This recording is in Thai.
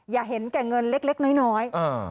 อย่าเห็นแก่เงินเล็กน้อย